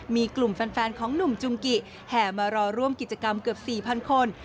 มีกลุ่มแฟนของหนุ่มจุงกิแห่มารอร่วมกิจกรรมเกือบ๔๐๐คน